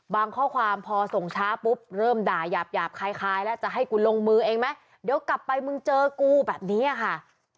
ข้อความพอส่งช้าปุ๊บเริ่มด่ายาบหยาบคล้ายแล้วจะให้กูลงมือเองไหมเดี๋ยวกลับไปมึงเจอกูแบบนี้ค่ะ